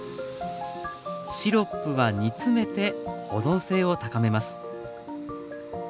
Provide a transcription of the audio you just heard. シロップは煮詰めて保存性を高めます。